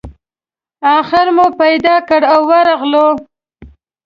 آخر مو پیدا کړ او ورغلو.